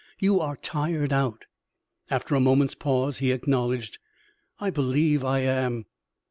You are tired out." After a moment's pause, he acknowledged: "I believe I am.